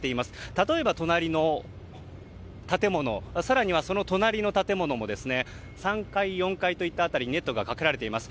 例えば、隣の建物更には、その隣の建物も３階、４階の辺りにネットがかけられています。